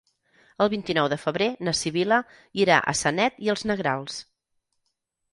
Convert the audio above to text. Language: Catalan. El vint-i-nou de febrer na Sibil·la irà a Sanet i els Negrals.